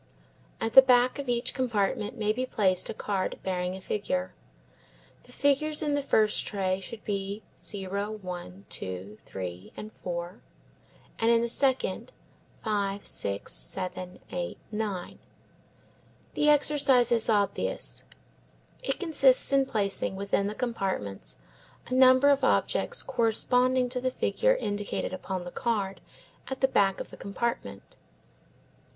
At the back of each compartment may be placed a card bearing a figure. The figures in the first tray should be 0, 1, 2, 3, 4, and in the second, 5, 6, 7, 8, 9. The exercise is obvious; it consists in placing within the compartments a number of objects corresponding to the figure indicated upon the card at the back of the compartment.